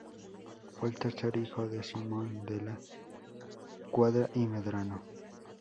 Fue el tercer hijo de Simón de la Quadra y Medrano.